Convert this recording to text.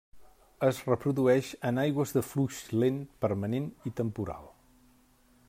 Es reprodueix en aigües de flux lent permanent i temporal.